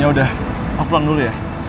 yaudah aku pulang dulu ya